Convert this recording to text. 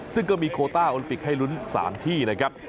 ซึ่งก็มีโคต้าโอลิมปิกให้ลุ้น๓ที่นะครับ